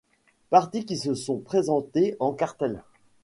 Partis qui se sont présentés en cartel.